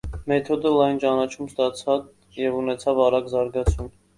Մեթոդը լայն ճանաչում ստացավ և ունեցավ արագ զարգացում։